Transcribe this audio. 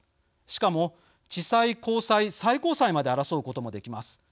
しかも地裁、高裁、最高裁まで争うこともできます。